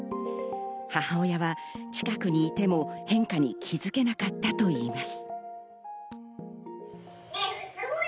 母親は近くにいても変化に気づけなかったといいます。